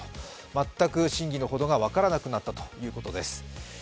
全く真偽のほどが分からなくなったということです。